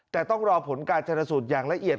แต่ต้องรอผลการจรสุทธิ์อย่างละเอียด